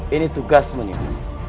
ini tugas menimbas